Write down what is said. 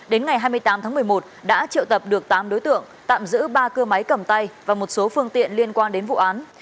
đến ngày hai mươi tám tháng một mươi một đã triệu tập được tám đối tượng tạm giữ ba cưa máy cầm tay và một số phương tiện liên quan đến vụ án